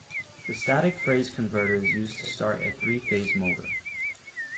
The static phase converter is used to start a three-phase motor.